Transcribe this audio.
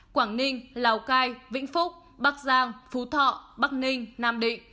quảng ninh lào cai vĩnh phúc bắc giang phú thọ bắc ninh nam định